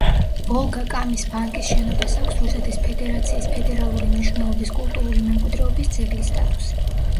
ვოლგა-კამის ბანკის შენობას აქვს რუსეთის ფედერაციის ფედერალური მნიშვნელობის კულტურული მემკვიდრეობის ძეგლის სტატუსი.